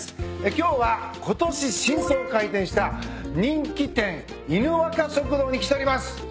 今日はことし新装開店した人気店犬若食堂に来ております。